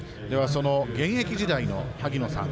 現役時代の萩野さん